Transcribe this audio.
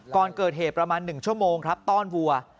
ก่อนเกิดเหตุประมาณ๑ชั่วโมงครับต้อนวัว